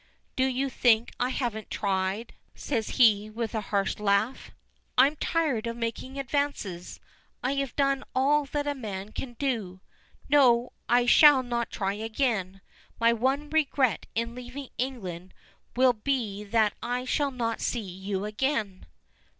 "Do you think I haven't tried," says he, with a harsh laugh "I'm tired of making advances. I have done all that man can do. No, I shall not try again. My one regret in leaving England will be that I shall not see you again!"